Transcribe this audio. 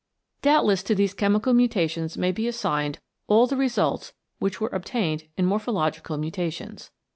Doubtless to these chemical mutations may be assigned all the results which were ob tained in morphological mutations.